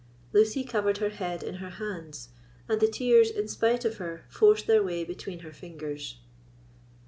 Lucy covered her face her hands, and the tears, in spite of her, forced their way between her fingers.